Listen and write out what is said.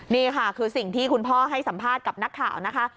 นี่ค่ะคือสิ่งที่คุณพ่อให้สัมภาษณ์กับนักข่าวนะคะ